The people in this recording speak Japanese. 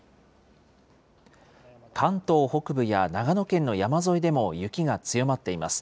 関東北部や長野県の山沿いでも雪が強まっています。